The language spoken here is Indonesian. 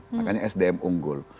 makanya sdm unggul